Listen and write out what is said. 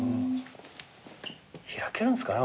開けるんですかね